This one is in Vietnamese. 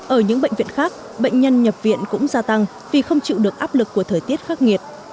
ở những bệnh viện khác bệnh nhân nhập viện cũng gia tăng vì không chịu được áp lực của thời tiết khắc nghiệt